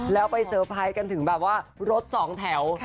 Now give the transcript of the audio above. แล้วไปเตอร์ไพรส์กันถึงแบบว่ารถสองแถว